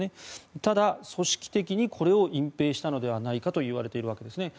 ただ、組織的にこれを隠ぺいしたのではないかといわれているわけですね。